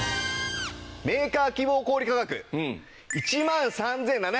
メーカー希望小売価格１万３７５０円！